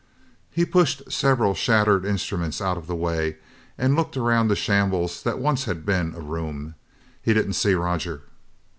He pushed several shattered instruments out of the way and looked around the shambles that once had been a room. He didn't see Roger.